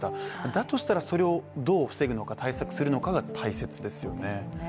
だとしたらそれをどう防ぐのか対策するのかが大切ですよね。